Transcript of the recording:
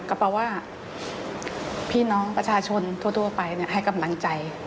ก็เพราะว่าพี่น้องประชาชนทั่วไปเนี่ยให้กำลังใจ